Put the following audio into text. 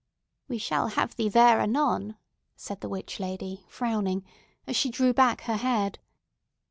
"We shall have thee there anon!" said the witch lady, frowning, as she drew back her head.